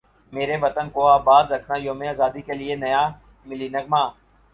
میرے وطن کو اباد رکھنایوم ازادی کے لیے نیا ملی نغمہ